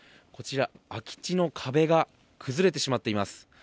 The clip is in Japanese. こちら、空き地の壁が崩れてしまっています。